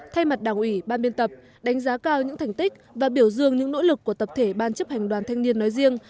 thay mặt đảng ủy ban biên tập đánh giá cao những thành tích và biểu dương những nỗ lực của tập thể ban chấp hành đoàn thanh niên nói riêng